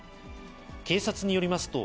警察によりますと、